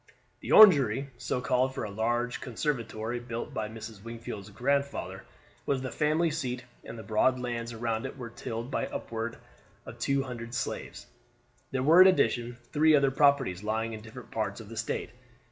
The Orangery, so called from a large conservatory built by Mrs. Wingfield's grandfather, was the family seat, and the broad lands around it were tilled by upward of two hundred slaves. There were in addition three other properties lying in different parts of the State.